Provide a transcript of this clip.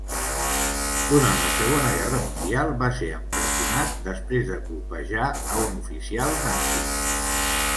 Durant la Segona Guerra Mundial va ser empresonat després de colpejar a un oficial nazi.